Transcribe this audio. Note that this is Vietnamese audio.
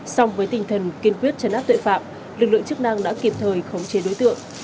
xong với tinh thần kiên quyết chấn áp tuệ phạm lực lượng chức năng đã kịp thời khống chế đối tượng